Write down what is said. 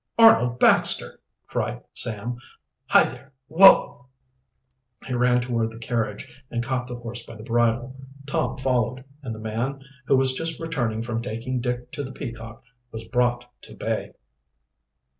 "Arnold Baxter!" cried Sam. "Hi, there, whoa!" He ran toward the carriage and caught the horse by the bridle. Tom followed, and the man, who was just returning from taking Dick to the Peacock, was brought to bay.